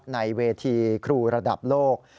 ในเวทีครูระดับโลก